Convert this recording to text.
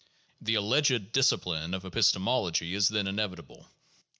The alleged discipline of epistemology is then inevitable.